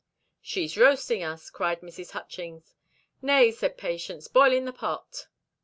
"She's roasting us," cried Mrs. Hutchings. "Nay," said Patience, "boiling the pot."